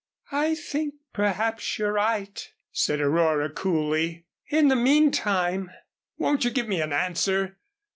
"I think perhaps you're right," said Aurora coolly. "In the meantime " "Won't you give me an answer?"